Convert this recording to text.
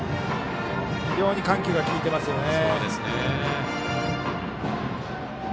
非常に緩急が利いてますね。